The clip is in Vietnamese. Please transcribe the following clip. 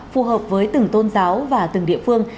phù hợp với từng tôn giáo và từng địa phương